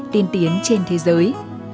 tiên tiến trên thế giới